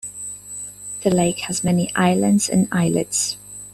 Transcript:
The lake has many islands and islets.